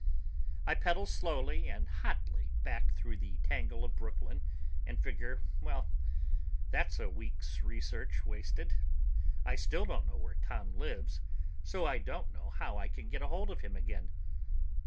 I pedal slowly and hotly back through the tangle of Brooklyn and figure, well, that's a week's research wasted. I still don't know where Tom lives, so I don't know how I can get a hold of him again.